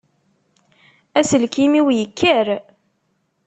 Aselkim-iw yekker.